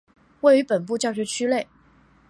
位于本部教学区内。